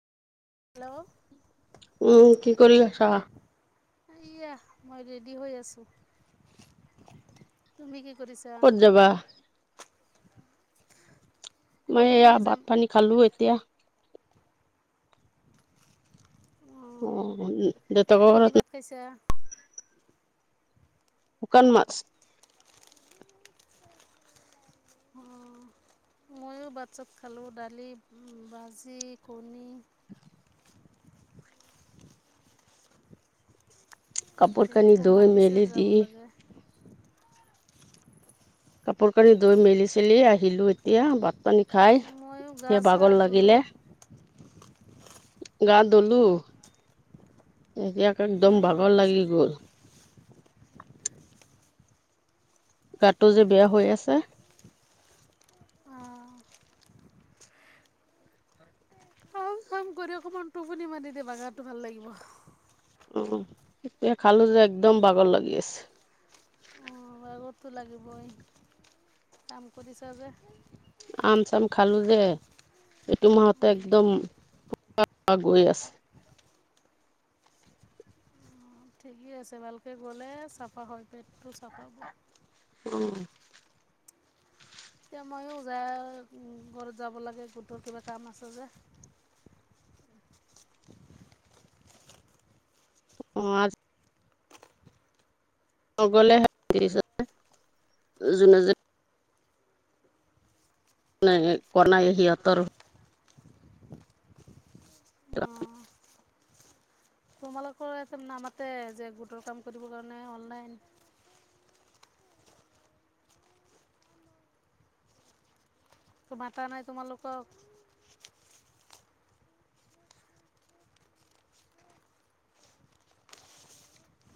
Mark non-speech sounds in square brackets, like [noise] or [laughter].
Hello. উম, কি কৰি আছ? এইয়া মই ৰেডি হৈ আছোঁ, তুমি কি কৰিছা? ক'ত যাবা ক'ত মই এইয়া, টোপনি ভাত যাম পানী খালো এতিয়া। অঁ অ', দেউতাকৰ ঘৰত [inaudible] শুকান মাছ। অঁ। মইয়ো ভাত-চাত খালোঁ, দালি, ভাজি, কণী কাপোৰ এতিয়া কানি খু ধুই মাতিছে মেলি যাব দি লাগে কাপোৰ কানি ধুই মেলি-চেলি আহিলো এতিয়া, ভাত পানী খাই, ময়ো গা এতিয়া চা বাগৰ ধুলোঁ লাগিলে। গা দুলো, এতিয়া একদম ময়ো গা বাগৰ লাগি ধুইছিলোঁ গ'ল। গাটো যে বেয়া হৈ আছে। অঁ কাম কৰি অকমান টোপুনি মাৰি দে, বাগাৰটো ভাল লাগিব। উম এতিয়া খালো যে, একদম বাগৰ লাগি আছে। বাগৰটো লাগিবই, কাম কৰিছা যে। আম চাম খালো যে এইটো মাহতে একদম গৈ আছে। ঠিকেই আছে ভালকে গ'লে চাফা হয় পেটটো চাফা হ'ব। উম এতিয়া ময়ো যাই ঘৰত যাব লাগে গোটৰ কিবা কাম আছে যে। অ আজ অ গলে [unintelligible] যোনে যাই না না কৰ নাই সিহঁতৰ অঁ [unintelligible] তোমালোকৰ এতে নামাতে যে গোটৰ কাম কৰিবৰ কাৰণে অনলাইন কো মাতা নাই তোমালোকক